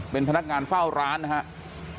เป็นพนักงานเฝ้าร้านนะครับ